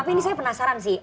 tapi ini saya penasaran sih